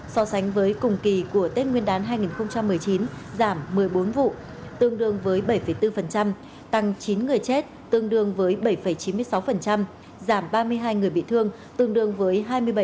so sánh với cùng kỳ của tết nguyên đán hai nghìn một mươi chín giảm một mươi bốn vụ tương đương với bảy bốn tăng chín người chết tương đương với bảy chín mươi sáu giảm ba mươi hai người bị thương tương đương với hai mươi bảy